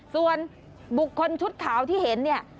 ส่วนบุคคลชุดขาวที่เห็นเนี่ย